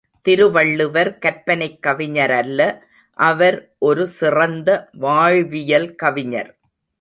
திருவள்ளுவர் கற்பனைக் கவிஞரல்ல அவர் ஒரு சிறந்த வாழ்வியல் கவிஞர்.